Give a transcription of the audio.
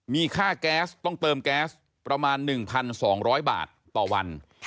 มีค่าแก๊สต้องเติมแก๊สประมาณ๑๒๐๐บาทต่อวัน